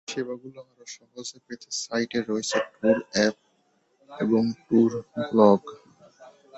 সেবাগুলো আরও সহজে পেতে সাইটে রয়েছে ট্যুর অ্যাপ এবং ট্যুর ব্লগ।